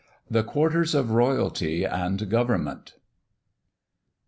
The Quarters of Royalty and Government.